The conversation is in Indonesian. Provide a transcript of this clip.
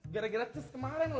gara gara cus kemarin lo